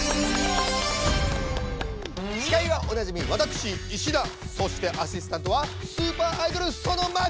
司会はおなじみわたくしそしてアシスタントはスーパーアイドルソノマックスです！